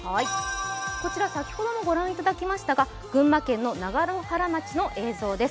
こちら先ほどもご覧いただきましたが、群馬県長野原町の映像です。